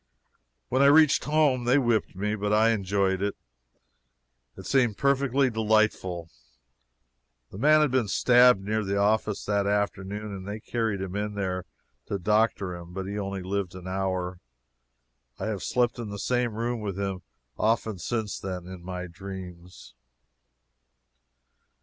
When I reached home, they whipped me, but I enjoyed it. It seemed perfectly delightful. That man had been stabbed near the office that afternoon, and they carried him in there to doctor him, but he only lived an hour. I have slept in the same room with him often since then in my dreams.